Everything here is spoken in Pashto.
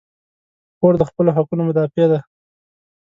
خور د خپلو حقونو مدافع ده.